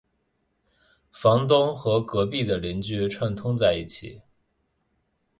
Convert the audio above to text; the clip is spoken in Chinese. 房东和隔壁的邻居串通在一起